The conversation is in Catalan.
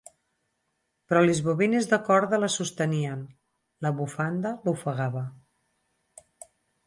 Però les bobines de corda la sostenien; la bufanda l'ofegava.